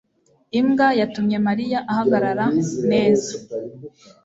imbwa yatumye mariya ahagarara. neza